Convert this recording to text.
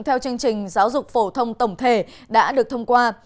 theo chương trình giáo dục phổ thông tổng thể đã được thông qua